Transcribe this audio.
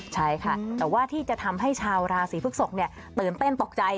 ใช่ค่ะแต่ว่าที่จะทำให้ชาวราศีพฤกษกตื่นเต้นตกใจ